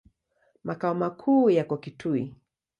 Makao makuu yako Kitui.